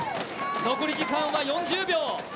残り時間は４０秒。